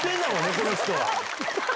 この人は。